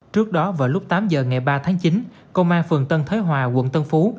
trước đó vào lúc tám giờ ngày ba tháng chín công an phường tân thới hòa quận tân phú